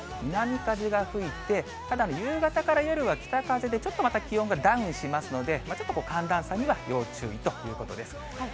南風が吹いて、ただ、夕方から夜は北風が吹いて、ちょっとまた気温がダウンしますので、ちょっとこう、寒暖差には要注意ということです。